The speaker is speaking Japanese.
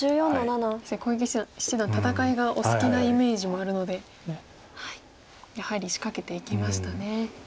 確かに小池七段戦いがお好きなイメージもあるのでやはり仕掛けていきましたね。